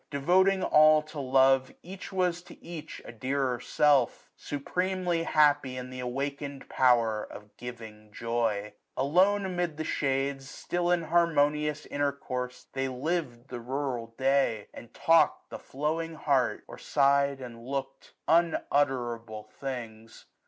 Devoting all To love, each was to each a dearer self j Supremely happy in th' awakened power Of giving joy. Alone, amid the shades, 1 185 Still in harmonious intercourse they liv'd The rural day ; and talked the flowing heart. Or sigh'd and look'd unutterable things.